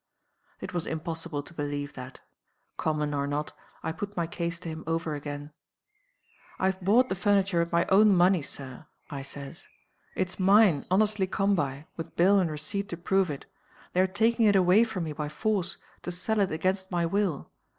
"It was impossible to believe that. Common or not, I put my case to him over again. "'I have bought the furniture with my own money, Sir,' I says. 'It's mine, honestly come by, with bill and receipt to prove it. They are taking it away from me by force, to sell it against my will.